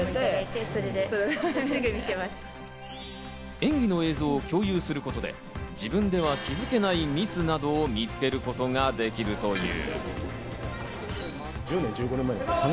演技の映像を共有することで、自分では気づけないミスなどを見つけることができるという。